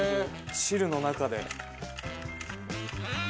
汁の中で。